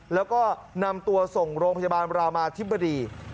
แล้วก็นำตัวส่งโรงพยาบาลรามาธิบดี